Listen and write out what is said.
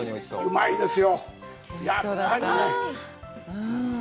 うまいです。